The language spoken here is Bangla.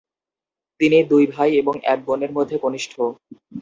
তিনি দুই ভাই এবং এক বোনের মধ্যে কনিষ্ঠ।